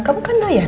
kamu kan doyan